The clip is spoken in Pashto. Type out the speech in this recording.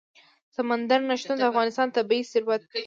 سمندر نه شتون د افغانستان طبعي ثروت دی.